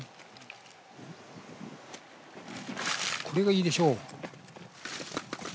これがいいでしょう。